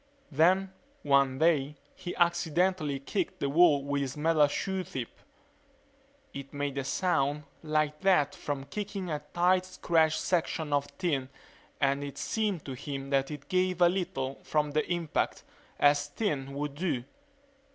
Then one day he accidentally kicked the wall with his metal shoe tip. It made a sound like that from kicking a tight stretched section of tin and it seemed to him it gave a little from the impact, as tin would do.